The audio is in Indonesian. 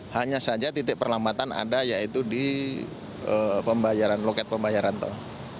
hanya saja titik perlambatan ada yaitu di loket pembayaran tol